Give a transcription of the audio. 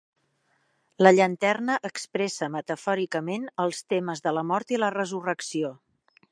La llanterna expressa metafòricament els temes de la mort i la resurrecció.